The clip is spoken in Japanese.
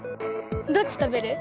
どっち食べる？